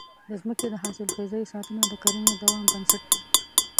د ځمکې د حاصلخېزۍ ساتنه د کرنې د دوام بنسټ دی.